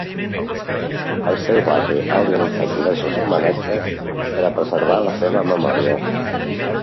El seu barri ha organitzat diversos homenatges per a preservar la seva memòria.